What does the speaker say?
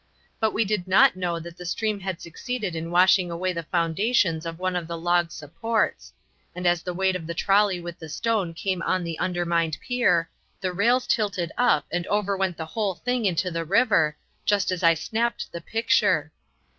But we did not know that the stream had succeeded in washing away the foundations of one of the log supports; and as the weight of the trolley with the stone came on the undermined pier, the rails tilted up and over went the whole thing into the river, just as I snapped the picture.